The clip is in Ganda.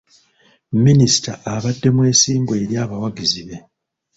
Minisita abadde mwesimbu eri abawagizi be.